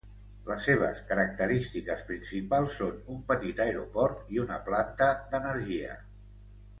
Les seves característiques principals són un petit aeroport i una planta d'energia.